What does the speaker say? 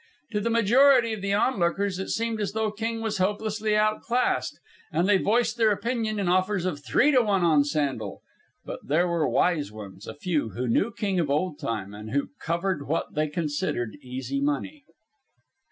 To the majority of the onlookers it seemed as though King was hopelessly outclassed, and they voiced their opinion in offers of three to one on Sandel. But there were wise ones, a few, who knew King of old time, and who covered what they considered easy money.